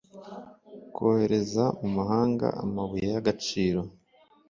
kohereza mu mahanga amabuye y agaciro